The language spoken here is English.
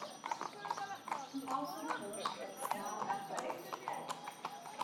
He also coached at a small athletics club.